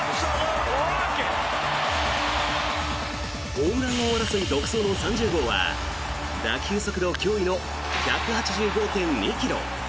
ホームラン王争い独走の３０号は打球速度驚異の１８５．２ｋｍ。